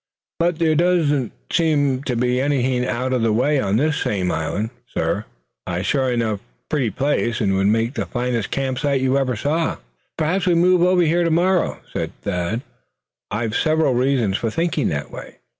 But there don't seem to be anything out of the way on this same island, suh. A sure enough pretty place, and would make the finest camp site you ever saw." "Perhaps we may move over here to morrow," said Thad. "I've several reasons for thinking that way."